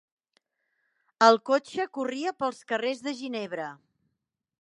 El cotxe corria pels carrers de Ginebra.